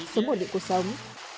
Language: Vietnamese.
sớm bổn định cuộc sống